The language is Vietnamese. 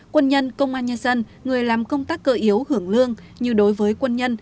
quân nhân công an nhân dân người làm công tác cơ yếu hưởng lương như đối với quân nhân